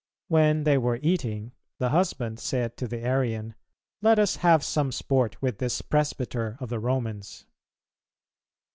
When they were eating, the husband said to the Arian, "Let us have some sport with this presbyter of the Romans."